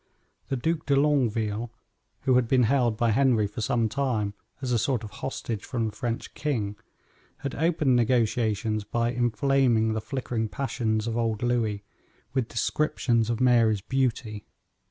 The Duc de Longueville, who had been held by Henry for some time as a sort of hostage from the French king, had opened negotiations by inflaming the flickering passions of old Louis with descriptions of Mary's beauty.